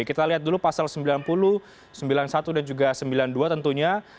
kita lihat dulu pasal sembilan puluh sembilan puluh satu dan juga sembilan puluh dua tentunya